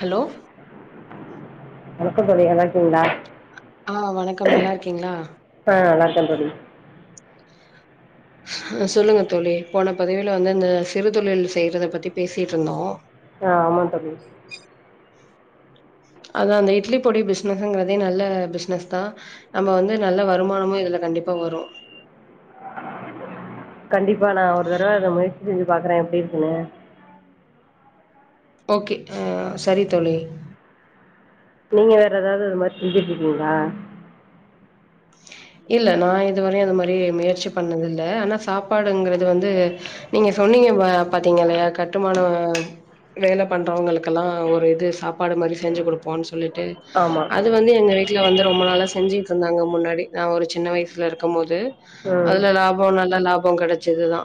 Hello வணக்கோ தோழி நல்லா இருக்கீங்களா ஆ வணக்கம் நல்லா இருக்கீங்களா ஆ நல்லா இருக்கேன் தோழி சொல்லுங்க தோழி போன பதீவில வந்து இந்த சிறு தொழில் செய்யறத பத்தி பேசிட்டுருந்தோ ஆ ஆமா தோழி அதா அந்த இட்லி பொடி பிஸ்னஸுங்கறது நல்ல பிசினஸ் தா நம்ம வந்து நல்ல வருமானமு இதுல கண்டிப்பா வரு கண்டிப் ப்பா நா ஒரு தடரவா அத முய செஞ்சி பாக்குறே எப்பிடி இருக்குன்னு ஓகே ஆ சரி தோழி நீங்க வேற எதாது இது மாரி செஞ்சிட்டுருக்கீங்களா இல்ல நா இதுவரயு அது மாரி முயற்சி பண்ணது இல்ல ஆனா சாப்பாடுங்கறது வந்து நீங்க சொன்னீங்க பா பாத்தீங்கலியா கட்டுமான வே வேல பாக்குறவுங்கலா ஒரு இது சாப்பாடு மாரி செஞ்சி குடுப்போன்னு சொல்லி ட்டு ஆமாம் அது வந்து எங்க வீட்ல வந்து ரொம்ப நாளா செஞ்சி த்ந்தாங்க முன்னடி நா ஒரு சின்ன வயசுல இருக்குமோது ம் அதுல லாபோ நல்ல லாப் போ கெடைச்சதுதா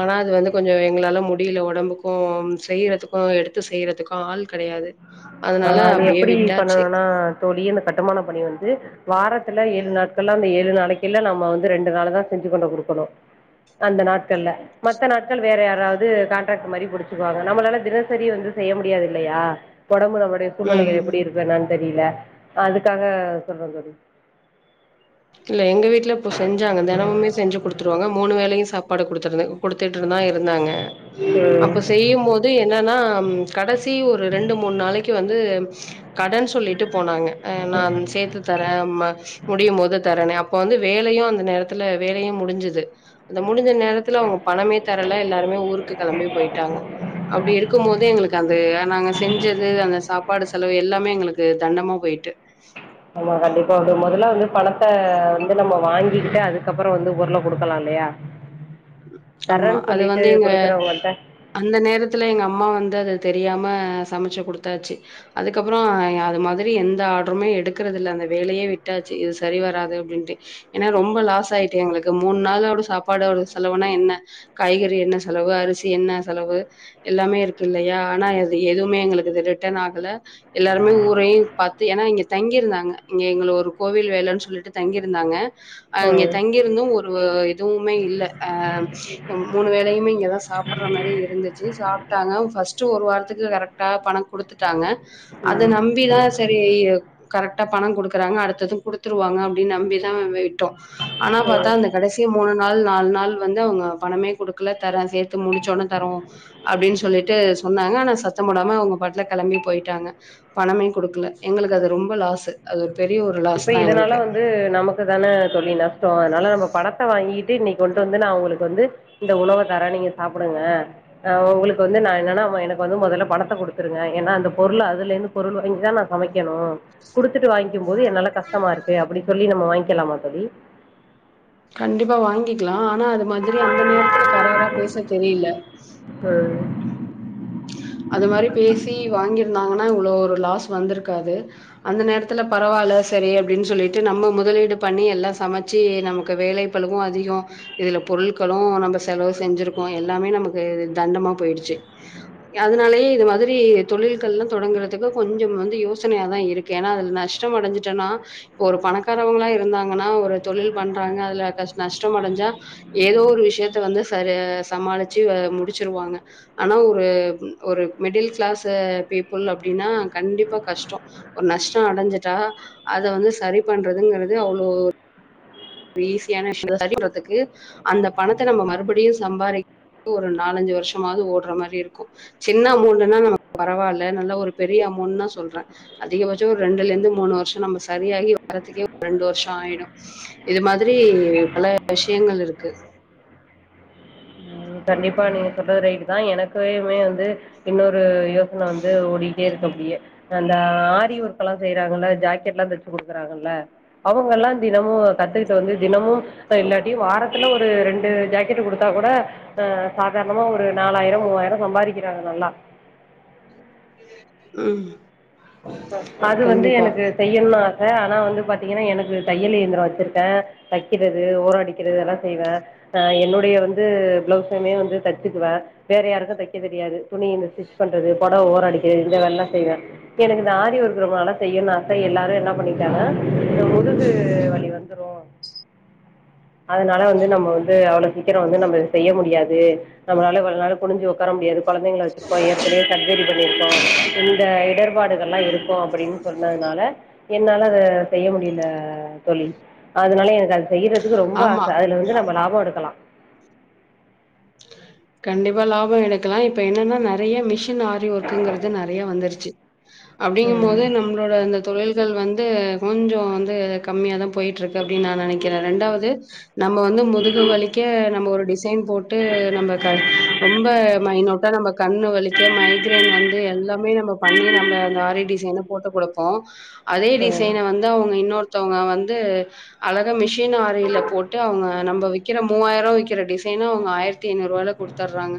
ஆனா அது வந்து கொஞ்சோ எங்களால முடியல ஒடம்புக்கு செய்யறதுக்கு எடுத்து செய்யறதுக்கு ஆள் கிடையாது ஆ அது எப்பிடி பண்ணணுன்னா தோழி அந்த கட்டுமான பணி வந்து வார த்துல ஏழு நாட்கள்ல்லா அந்த ஏழு நாளைக்குல்ல நம்ம வந்து ரெண்டு நாள்தா செஞ்சி கொண்டு குடுக்கணு அந்த நாட்கள்ல மத்த நாட்கள் வேற யாராவது கான்ட்ராக்ட் மாரி புச்சுகுவாங்க நம்மளால தினசரி வந்து செய்ய முடியாது இல்லையா உடம்புல ம்போட ம். சூழ்நிலைகள் எப்டி இருக்கோஎன்னனு தெரில அதுக்காக சொல்றே தோழி இல்ல எங்க வீட்டுல இப்போ செஞ்சாங்க தினமே செஞ்சு குடுத் த்துருவாங்க மூணு வேலையு சாப்பாடு குடுத்துருந்தே கொடுத்துட்டு தா இருந்தாங்க ம் அப்ப செய்யும் போது என்னன்னா கடைசி ஒரு ரெண்டு மூணு நாளைக்கு வந்து கடன் சொல்லிட்டு போனாங்க ஆ நான் சேர்த்து தரேமா முடியும் போது தரணே அப்ப வந்து வேலையு அந்த நேரத்துல வேலையு முடிஞ்சுது அந்த முடிஞ்ச நேரத்துல அவங்க பணமே தரல எல்லாருமே ஊருக்கு கிளம்பி போயிட்டாங்க அப்டி இருக்கும் போது எங்களுக்கு அது நாங்க செஞ்சது அந்த சாப்பாடு செலவு எல்லாமே எங்களுக்கு தண்டமா போயிட்டு பணத்தை வந்து நம்ம வாங்கிக்கிட்டு அதுக்கப்புறோ வந்து பொருள கொடுக்கலா இல்லையா ஆமா தர்றேன்னு அது சொல்லிட்டு வந்து எங்க குடுக்குறவங்கள்ட்ட அந்த நேரத்துல எங்க அம்மா வந்து அது தெரி தெரியாம சமைச்சு கொடுத்தாச்சு அதுக்கப்புறோ அது மாதிரி எந்த ஆர்டருமே எடுக்கறத இல்ல அந்த வேலையே விட்டாச்சு இது சரி வராது அப்படின்ட்டு ஏன்னா ரொம்ப லாஸ் ஆயிட்டு எங்களுக்கு மூணு நாளோட சாப்பாடோட செலவுனா என்ன காய்கறி என்ன செலவு அரிசி என்ன செலவு எல்லாமே இருக்கு இல்லையா ஆனா அது எதுவுமே எங்களுக்கு இது ரிட்டர்ன் ஆகல எல்லாருமே ஊரையு பார்த்து ஏன்னா இங்க தங்கிருந்தாங்க இங்க எங்க ஒரு கோவில் வேலைன்னு சொல்லிட்டு தங்கிருந்தாங்க அங்க ம் தங்கிருந்து ஒரு ஒ எதுவுமே இல்ல ஆ மூணு வேலையுமே இங்கதா சாப்பிடுற மாதிரி இருந்துச்சு சாப்பிட்டாங்க ஃபஸ்ட்டு ஒரு வாரத்துக்கு கரெக்டா பணோ கொடுத்துட்டாங்க அத ம் நம்பிதா சரி கரெக்டா பணம் கொடுக்குறாங்க அடுத்தது கொடுத்துருவாங்க அப்டின்னு நம்பிதா விட்டோ ஆனா பார்த்தா ம் அந்த கடைசி மூணு நாள் நாலு நாள் வந்து அவங்க பணமே குடுக்கல தர சேர்த்து முடிச்சசொனே தரோ அப்படின்னு சொல்லிட்டு சொன்னாங்க ஆனா சத்த போடாம அவங்க பாட்டல கிளம்பி போயிட்டாங்க பணமே குடுக்கல தரே சேத்து முடுஞ்சோனே தரோஅப்டினு சொல்லிட்டு சொன்னாங்க ஆனா சத்தோ போடாம அவங்க பாட்ல போய்டாங்க பனமே குடுக்கல எங்களுக்கு அது ரொம்ப லாஸு அது பெரிய ஒரு இப்ப லாஸ் தா எங்களுக்கு இதனால வந்து நமக்கு தானே தோழி நஷ்டோ அதனால நம்ம பணத்தை வாங்கிட்டு இன்னைக்கு கொண்டு வந்து ந வந்து உங்களுக்கு வந்து இந்த உணவ தர நீங்க சாப்பிடுங்க உங்களுக்கு வந்து ந என்னனா எனக் வந்து முதல்ல பணத்த குடுத்துருங்க ஏன்னா அந்த பொருள அதுல இருந்து பொருள் வாங்கிதா நா சமைக்கணு குடுத்துட்டு வாங்கிக்கும் போது என்னால கஷ்டமாருக்கு அப்டி சொல்லி நம்ம வாங்கி [unintelligible] லாமா தோழி கண்டிப்பா வாங்கிக்கலா ஆனா அது மாதிரி அந்த நேரத்துல கராரா பேச தெரியல ம் அது மாரி பேசி வாங்கிருந்தாங்கன்னா இவ்ளோ ஒரு லாஸ் வந்திருக்காது அந்த நேரத்துல பரவாயில்ல சரி அப்டின்னு சொல்லிட்டு நம்ம முதலீடு பண்ணி எல்லா சமைச்சு நமக்கு வேலை பலுவு அதிகோ இதுல பொருட்களு நம்ம செலவு செஞ்சிருக்கோ எல்லாமே நமக்கு தண்டமா போயிடுச்சு அதனாலேயே இது மாதிரி தொழில்கள்லா தொடங்குறதுக்கு கொஞ்சம் வந்து யோசனையாதா இருக்கு ஏன்னா அதுல நஷ்ட அடைஞ்சுட்டேன்னா இப்ப ஒரு பணக்காரவங்களா இருந்தாங்கன்னா ஒரு தொழில் பண்றாங்க அதுலநஷ்டம் அடைஞ்சா ஏதோ ஒரு விஷயத்த வந்து சர சமாளிச்சு முடிச்சிருவாங்க ஆனா ஒரு ஒரு மிடில் கிளாஸ் பீப்புள் அப்டின்னா கண்டிப்பா கஷ்டோ ஒரு நஷ்டோ அடைஞ்சட்டா அத வந்து சரி பண்றதுங்கறிறது அவ்ளோ ஈஸியான விஷய சரிறதுக்கு அந்த பணத்தை நம்ம மறுபடியு சம்பாதிக்க ஒரு நாலஞ்சு வருஷமாவது ஓடுற மாரி இருக்கு சின்ன அமௌண்ட்ன்னா நம்ம பரவாயில்ல நல்லா ஒரு பெரிய அமௌண்ட் னா சொல்றே அதிகபட்சோ ஒரு ரெண்டுல இருந்து மூணு வருஷோ நம்ம சரியாகி வர்றதுக்கே ரெண்டு வருஷோஆயிடு இது மாதிரி பல விஷயங்கள் இருக்கு கண்டிப்பா நீங்க சொல்றது ரைட்டு தா எனக்குயுமே வந்து இன்னொரு யோசன வந்து ஓடிட்டே இருக்கு அப்டியே அந்த ஆரி ஒர்க்லா செய்றாங்கள்ள ஜாக்கெட்லா தச்சு குடுக்குறாங்கல்ல அவங்க எல்லா தினமு கத்துக்கிட்டு வந்து தினமும் இல்லாட்டி வாரத்துல ஒரு ரெண்டு ஜாக்கெட் குடுத்தா கூட ஆ சாதாரணமா ஒரு நாலாயிரோ மூவாயிரோ சம்பாதிக்கிறாங்க நல்லா உ அது வந்து எனக்கு செய்னுன்னு ஆச ஆனா வந்து பாத்தீங்கன்னா எனக்கு தையல் இயந்திரோ வச்சுருக்கே தைக்கிறது ஓரம் அடிக்கிறது எல்லா செய்வே என்னுடைய வந்து பிளவுஸுமே வந்து தைச்சிக்குவே வேற யாருக்கு தைக்க தெரியாது துணி இந்த ஸ்டிச் பண்றது புடவ ஓரோ அடிக்கிறது இந்த வேலலா செய்வே எனக்கு இந்த ஆரி ஒர்க் ரொம்ப நாள செய்யனுனு ஆச எல்லாரு என்ன பண்ணிட்டாங்கனா அந்த முதுகு வலிவந்துரு அதனால வந்து நம்ம வந்து அவ்ளோ சீக்கிரோ வந்து நம்ம செய்ய முடியாது நம்மளால குனுஞ்சு உக்கார முடியாது குழந்தைங்கள வச்சிருப்போ ஏற்கனையே சர்ஜரி பண்ணிருப்போ இந்த இடர் பாடுகல்லா இருக் ஓ அப்டின்னு சொன்னதுனால என்னால அத செய்ய முடியல தொழி அதனால எனக்கு அது செய்யறதுக்கு ரொம்ப ஆமா ஆச அதுல வந்து நம்ம லா போ எடுக்கலா கண்டிப்பா லாபோ எடுக்கலா இப்ப என்னன்னா நறையா மிஷின் ஆரி ஒர்க்குங்கிறது நறையா வந்துருச்சு அப்டிங்கும் ம் போது நம்மளோட இந்த தொழில் கள் வந்து கொஞ்சோ வந்து கம்மியா தா போயிட்ருக்கு அப்டின்னு நா நனைக்கிறே ரெண்டாவது நம்ம வந்து முதுகு வலிக்க நம்ம ஒரு டிசைன் போட் ட்டு நம்ம ரொம்ப மைனோட்டா நம்ம கண்ணு வலிக்க மைக்ரரைன் வந்து எல்லாமே நம்ம பண்ணி நம்ம அந்த ஆரிடிசைனு போட்டு கொடுப்போ அதே ம் டிசைன வந்து அவங்க இன்னொரு த்தவங்க வங்க வந்து அழகா மிஷ ஷுன் ஆறில போட்டு அவங்க நம்ம வி விக்கிற மூவாயிரோ விக்கிற டிசைனோ ஆயிரத்து ஐநூறுவால குடுத்து தர்றாங்க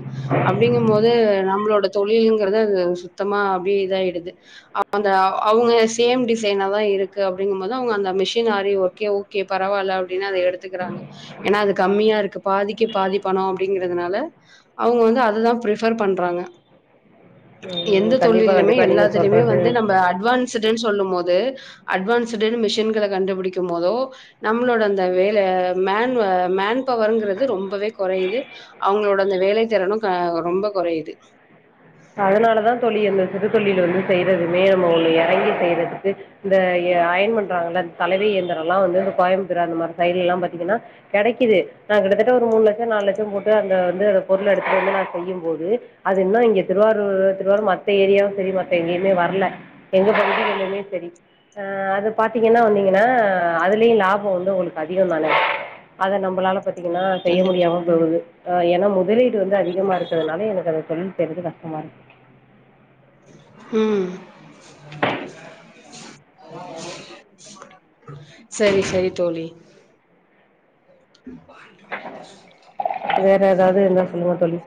அப்டிங்க போது நம்ளோட தொழில்ங்கிறது அது சுத்தமா அப்டியே இதாய்டுது அந்த அவங்க சேம் டிசைனா தா இருக்கு அப்டிங்கும்போது அவங்க அந்த மிஷின் ஆறி ஒர்கே ஓகே பரவாயில்ல அப்டின்னு அத எடுத்துக்கிறாங்க ஏன்னா அது கம்மியா இருக்கு பாதிக்கி பாதி பணோ அப்டிங்கறிறதுனால அவங்க வந்து அததா பிஃபர் பண்றாங்க ம் எந்த கண்டிப்பாக தொழிலயுமே கண்டிப்பாக நீங்கள் எல்லாத்துலயுமே வந்து சொல்கிறது நம்ம அட்வான்ஸ்டன்னு சொல்லும் போது அட்வான்ஸ்டுனு மிஷின்கள கண்டுபிடிக்கும் போதோ நம்மளோட அந்த வேல மேன் பவர்ங்கரது ரொம்பவே கொறையுது அவங்களோட அந்த வேல திறனு ரொம்ப கொறையுது அதனாலதா தொழி அந்த சிறு தொழில வந்து செய்றதுமே நம்ம எறங்கி செய்யறதுக்கு இந்த அயன் பண்றாங்கள்ள சலவை இந்திரம்லா வந்து கோயம்பத்தூரு அந்த மாரி சைடுலலா பாத்தீங்கன்னா கடைக்குது நா கிட்டத்தட்ட ஒரு மூணு லட்சோ நாலு லட்சோ போட்டு அந்த வந்து அந்த பொருள எடுத்துட்டு வந்து நா செய்யும்போது அது இன்னு இங்க திருவாரூர் திருவாரூர் மத்த ஏரியாவு சரி எங்கேயுமே வரல எங்க பகுதலமே சரி அ அது பாத்தீங்கன்னா வந்தீங்கன்னா அதுலயு லாபோ வந்து உங்களுக்கு அதிகம் தானே அத நம்மளால பாத்தீங்கன்னா செய்ய கண்டிப்பா முடியாம போகுது ஆ ஏன்னா முதலீடு வந்து அதிகமா இருக்கிறதுதுனால எனக்கு அந்த தொழில் [unintelligible] அம ம் செரி செரி தோழி [inaudible] வேற ஏதாவது இருந்தா சொல்லுங்க தோழி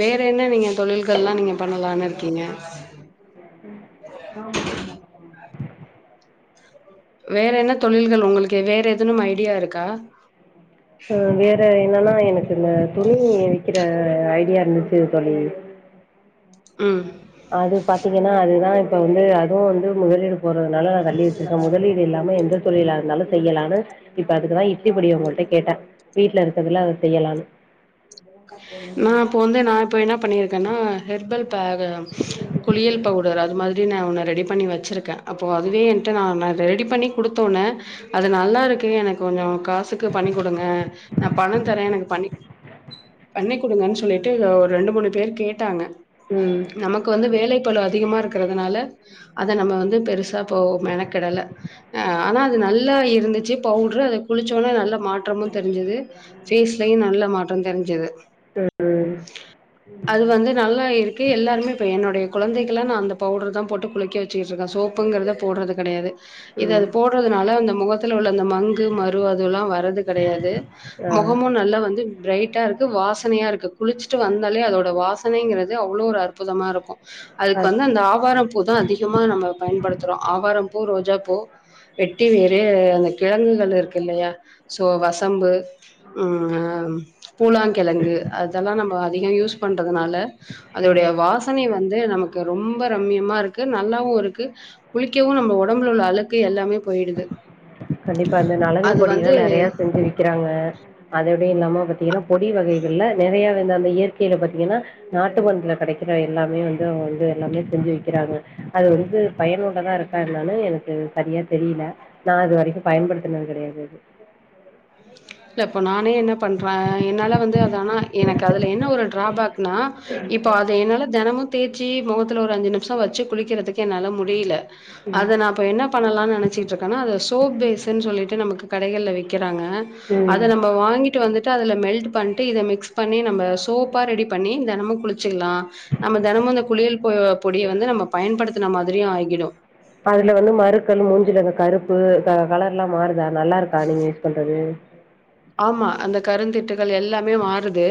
வேற என்ன நீங்க தொழில்கள் எல்லா நீங்க பண்ணலான் இரு ங்கா உம் ஆமா ஆமா வேற என்ன தொழில்கள் உங்களுக்கு வேற எதுனும் ஐடியா இருக்கா ஆ வேற இதெல்லா எனக் இல்ல துணி விக்கிற அ ஐடியா இருந்துச்சு தோழி ம் அது பாத்தீங்கன்னா அதுதா இப்ப வந்து அதும் வந்து முதலீடு போறதுனால நா தள்ளி வச்சிருக்கே முதலீடு இல்லாம எந்த தொழிலா இருந்தாலு செய்யலான்னு இப்ப அதுக்குதா இட்லிப்பொடி உங்கள்ட்ட கேட்டே வீட்ல இருக்கறதுல அத செய்யலான்னு நா இப்ப வந்து நா இப்ப என்னா பண்ணிருக்கேன்னா ஹெர்பல் பேகு குளியல் பவுடர் அது மாரி நா ஒன்னு ரெடி பண்ணி வச் வச்சிருக்கே அப்போ அதுவே என்ட்ட நா ரெடி பண்ணி குடுத்தோன அது நல்லா இருக்கே எனக் கொஞ்ச காசுக்கு பண்ணி குடுங்க அப்ப பண தரே எனக்கு பண்ணி பண்ணி குடுங்கன்னு சொல்லிட்டு ஒரு ரெண்டு மூணு பேர் கேட்டாங்க ம் நமக்கு வந்து வேலைக் பலு அதிகமாக இருக்கிற அதனால அத நம்ம வந்து பெருசு ப அப்போ மெனக்கெடல ஆனா அது நல்லா இருந்துச் ஜி பவுட்ரு அத குளிச்சோனா நல்லா மாற்றமு தெரிஞ்சது ஃபேஸ்லயும் நல்ல மாற்றம் தெரிஞ்சது ம் அது வந்து நல்லா இருக்கு எல்லாருமே இப்ப என்னுடைய குழந்தை கில நா அந்த பவுடரு தா போட்டு குளிக்க வச்சுக்கிட்டுருக்கே சோப்புங்குறது போடுறது கெடையாது இது அது ம் ம் போடுறதுனால அந்த முகத்துல உள்ள அந்த மங் இது மறு அதுலா வர்றது கெடையாது ஆ மொகமு நல்லா வந்து பிரைட்டா இருக்கு வாஸ் து குளிச்சுட்டு வந்தாலே அதோட வாசனைங்கிறது அவ்ளோ ஒரு அற்புதமா இருக்கு அதுக்கு ஆ வந்து அந்த ஆவாரம் பூதா அதி கமா நம்ம பயன்படுத்துறோ ஆவாரம் பூ, ரோஜாப்பூ, வெட்டி வேரு அந்த கிழங்குகள் இருக்குல்லயா சோ வசம்பு ம் பூலாங்கெழங்கு அதெல்லா‌ நம்ம அதிகொ யூஸ் பண்ணுறதுனால அதோடைய சேரி வாசனை வந் து நமக்கு ரொம்ப ரம்யமா இருக்கு நல்லாவு இருக்கு குளிக்கவு நம்ம ஒடம்புல உள்ள அழுக்கு எல்லாமே போயிடுது கண்டிப்பா அந்த நலங்கு அது வந்து பொடியல்லா நறைய செஞ்சு விக்கிறாங்க அதோட இல்லாம பாத்தீங்கனா பொடி வகைகள்ல நெறைய வந்து இந்த இயற்கைல பாத்தீங்னா நாட்டு மருந்துல கடைக்கிற எல்லாமே வந்து வந்து எல்லாமே செஞ்சு விக்கிறாங்க அது வந்து பயனுள்ளதா இருக்கா என்னானு எனக்கு சரியா தெரியில நா இது வரை க்கு பயன்படுத்தினது கெடையாது அது இல்ல இப்ப நானே என்ன பண்ற என்னால வந்து அத ஆனா எனக்கு அதுல என்ன ஒரு டிராபேக் னா இப்ப அத என்னால தெனமு தேய்ச்சி மொகத்துல ஒரு அஞ்சு நி ம்ஷொ வச்சு குளிக்கிறதுக்கு என்னால முடியில அத நா இப்ப என்ன பண்ணலான் நெனச்சிட்ருக்கனா அத சோப் பேசுன் சொல்லிட்டு நமக்கு கடைகள்ல விக் றாங்க ம். அத நம்ப வாங்கிட்டு வந்துட்டு அதுல மெல் ட் பண்ட்டு இத மிக்ஸ் பண்ணி நம்ப சோப்பா ரெடி பண்ணி தெனமு குளிச்சிக்லா நம்ம தெனமு இந்த குளியல் ப பொடிய வந்து நம்ம பயன்படுத்துன மாதிரியு ஆகிடு ப்பு கலர்லா மாறுதா நல்லாருக்கா நீங்க யூஸ் பண்றது ஆமா அந்த கருந்திட்டுகள் எல்லாமே மாறுது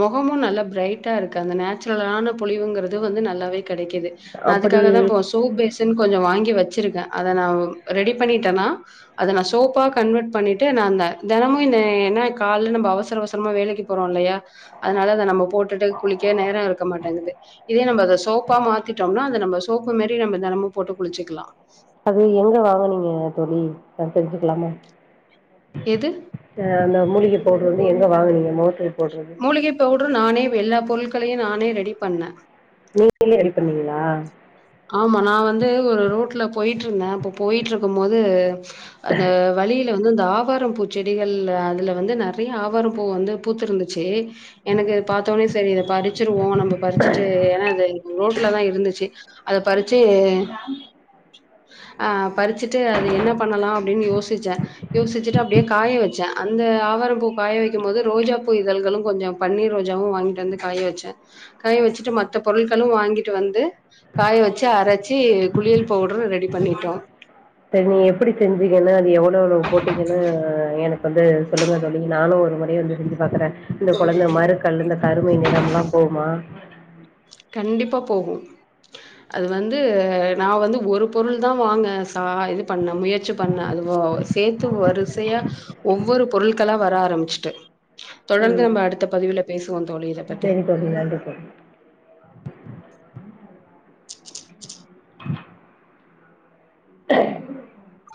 மொகமு நல்லா ப்ரைட்டாருக்கு அந்த நேச்சுரலான பொலிவுங்குறது வந்து நல்லாவே கெடைக்குது நா அப்படி அதுக்காகதா இப்ப சோப் பேசுன் கொஞ்சொ வாங்கி வச் சிருக்கே அத நா ரெடி பண்ணிட்டேனா அத நா சோப்பா கன்வர்ட் பண்ணிட்டு நா அந்த தெனமு என்ன ஏனா கால்ல நம்ப அவசர அவசரமா வேலைக்கு போறோ இல்லயா அதுனால அத நம்ம போட்டுட்டு குளிக்க நேர இருக்க மாட்டெங்குது இதே நம்ம அத சோப்பா மாத்திட்டோம்னா நம்ம சோப்பு மேரி நம்ம தெனமு போட்டு குளிச்சிக்லா அது எங்க வாங்குனீங்க தோழி நா தெரிஞ்சுக்கலாமா? எது? ஏன மூலிக பவுட்ரு வந்து எங்க வாங்குனீங்க மோச மூலிகை பவுட்ரு நானே வெல்லா பொருள் ட்களயே நானே ரெடி பண்ணே நீங்களே ரெடி பண்ணீங்ளா ஆமா நா வந்து ஒரு ரோட்ல போயிட்ருந்தே அப்ப போயிட்ருக்கும் போது அந்த வழியில வந்து இந்த ஆவாரம் பூ செடிகள்ள அதுல வந்து நெர நெறய ஆவாரம் பூ வந்து பூத்து இருந்துச்சி எனக்கு அது பாத்தோன்னே சரி இத பரி வோ நம்ம பறிச்சுட்டு ஏனா அது இ--ரோட்ல தா இருந்துச்சு அத பறிச்சு ஆ பறி வச்சுட்டு அது என்ன பண்ணலா அப்டின்னு யோசிச்சே யோசிச்சுட்டு அப்டியே காய வச்சே அந்த ஆவாரம் பூ காய வெக்கும் போது ரோஜா பூ இதல்களு கொஞ்சோ பன்னீர் ரோஜாவு வாங்கிட்டு வந்து காயவச்சே காய வச்சுட்டு மத்த பொருட்களு வாங்கிட்டு வந்து காயவச்சு அரச்சு குளியல் பவுட்ரு ரெடி பண்ணிட்டோ சரி நீ எப்டி செஞ்சுங்கன்னு அது எவ்வளவு எவ்ளவு போட்டிங்கன்னு எனக்கு வந்து சொல்லுங்க தோழி நானு ஒரு மொற வந்து செஞ்சு பாக்குறே இந்த கொழந்தை மறுக்கல் இந்த கருமை நிறம் எல்லாம் போகுமா கண்டிப்பா போகு அது வந்து நா வந்து ஒரு பொருள் தா வாங்க ச இது பண்ண முயற்சி பண்ணேன அது சேத்து வருசையா ஒவ்வொரு பொருட்கெல்லா வர ஆரம்பிச்சுட்டு தொடர்ந்து ம் நம்ம அடுத்த பதிவில பேசுவோ தோழி இத பத்தி சரி தோழி நன்றி தோழி [inaudible] [inaudible] [inaudible]